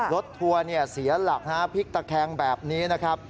รถทัวร์เสียหลักพลิกตะแคงแบบนี้